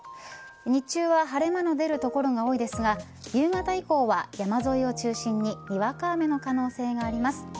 日中は晴れ間の出る所が多いですが夕方以降は山沿いを中心ににわか雨の可能性があります。